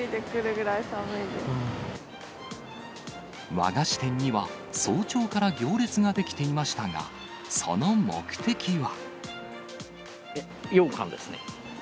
和菓子店には、早朝から行列が出来ていましたが、その目的は。